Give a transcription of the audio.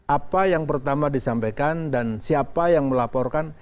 apa yang pertama disampaikan dan siapa yang melaporkan